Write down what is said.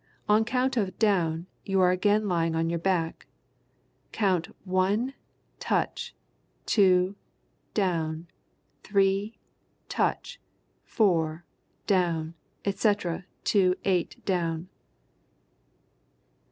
On count of "down" you are again lying on your back. Count "one, touch, two, down, three, touch, four, down," etc., to "eight, down."